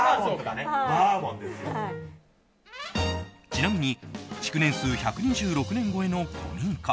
ちなみに築年数１２６年超えの古民家